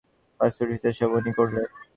Passport visa সব উনি করলেন।